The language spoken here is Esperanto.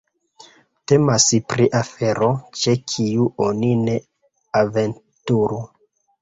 Temas pri afero, ĉe kiu oni ne aventuru.